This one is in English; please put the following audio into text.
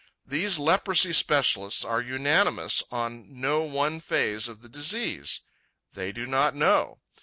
These leprosy specialists are unanimous on no one phase of the disease. They do not know.